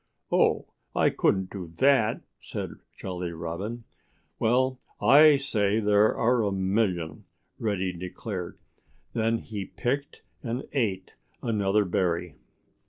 "Oh, I couldn't do that," said Jolly Robin. "Well, I say there are a million," Reddy declared. Then he picked and ate another berry.